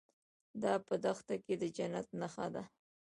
دا په دښته کې د جنت نښه ده.